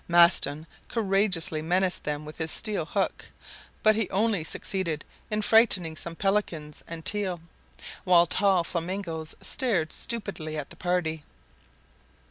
Maston courageously menaced them with his steel hook, but he only succeeded in frightening some pelicans and teal, while tall flamingos stared stupidly at the party.